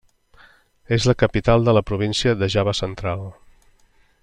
És la capital de la província de Java Central.